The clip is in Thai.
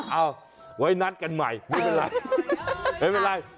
เอ้าไว้นัดกันใหม่ไม่เป็นไร